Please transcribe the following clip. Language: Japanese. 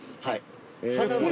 はい